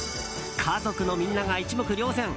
家族のみんなが一目瞭然。